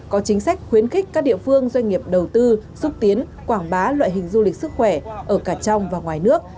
có chính sách khuyến khích các địa phương doanh nghiệp đầu tư xúc tiến quảng bá loại hình du lịch sức khỏe ở cả trong và ngoài nước